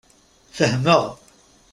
Fehmeɣ.